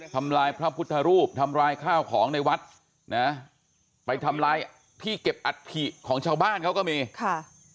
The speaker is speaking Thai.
ทำร้ายพระพุทธรูปทำลายข้าวของในวัดนะไปทำลายที่เก็บอัฐิของชาวบ้านเขาก็มีค่ะ